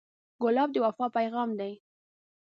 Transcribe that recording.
ګلاب د وفا پیغام دی.